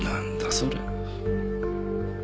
それ。